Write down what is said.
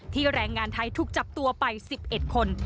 ที่แหล่งงานไทยถูกจับตัวไป๑๑คน